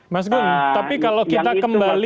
mas gun tapi kalau kita kembali